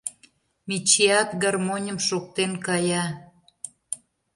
Мичиат гармоньым шоктен кая.